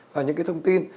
và những cái thông tin